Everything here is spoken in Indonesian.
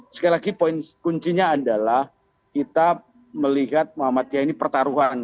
sekali lagi kuncinya adalah kita melihat muhammadiyah ini pertarungan